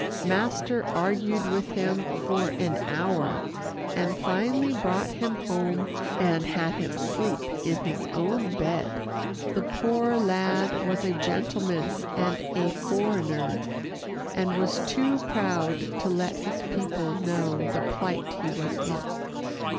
Master argued with him for an hour, and finally brought him home and had him sleep in his own bed. The poor lad was a gentleman and a foreigner, and was too proud to let his people know the plight he was in.